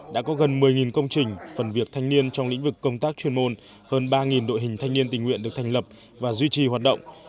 đã có gần một mươi công trình phần việc thanh niên trong lĩnh vực công tác chuyên môn hơn ba đội hình thanh niên tình nguyện được thành lập và duy trì hoạt động